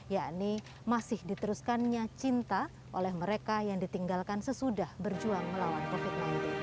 yakni masih diteruskannya cinta oleh mereka yang ditinggalkan sesudah berjuang melawan covid sembilan belas